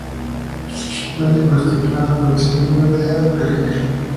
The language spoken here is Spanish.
Fue diagnosticado con Síndrome de Asperger.